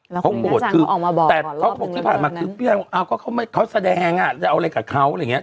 แล้วคุณลีน่าจังเขาออกมาบอกก่อนรอบนึงแล้วแต่เขาบอกที่ผ่านมาคือเขาแสดงอ่ะจะเอาอะไรกับเขาอะไรอย่างเงี้ย